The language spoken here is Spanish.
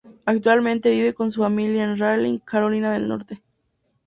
Actualmente vive con su familia en Raleigh, Carolina del Norte.